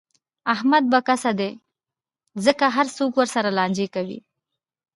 احمد به کسه دی، ځکه هر څوک ورسره لانجې کوي.